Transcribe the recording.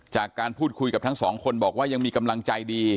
จากการพูดคุยกับทั้งสองคนบอกว่ายังมีกำลังใจดี